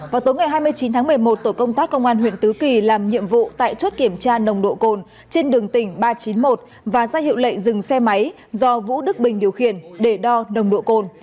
vào tối ngày hai mươi chín tháng một mươi một tổ công tác công an huyện tứ kỳ làm nhiệm vụ tại chốt kiểm tra nồng độ cồn trên đường tỉnh ba trăm chín mươi một và ra hiệu lệnh dừng xe máy do vũ đức bình điều khiển để đo nồng độ cồn